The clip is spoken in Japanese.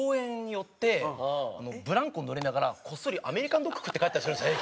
寄ってブランコ乗りながらこっそりアメリカンドッグ食って帰ったりするんですよ